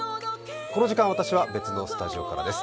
この時間、私は別のスタジオからです。